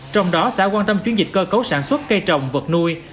trong đó xã quan tâm chuyển dịch cơ cấu sản xuất cây trồng vật nuôi